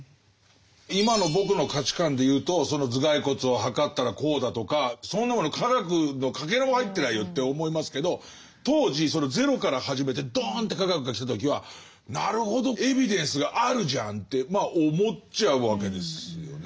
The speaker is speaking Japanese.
今の僕の価値観でいうとその頭蓋骨を測ったらこうだとかそんなもの科学のかけらも入ってないよって思いますけど当時そのゼロから始めてどんって科学が来た時はなるほどエビデンスがあるじゃんってまあ思っちゃうわけですよね。